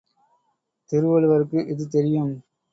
திருவள்ளுவருக்கு இது தெரியும்.